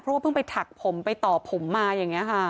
เพราะว่าเพิ่งไปถักผมไปต่อผมมาอย่างนี้ค่ะ